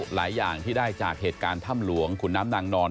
อย่างที่ได้จากเหตุการณ์ถ้ำหลวงขุนน้ำนางนอน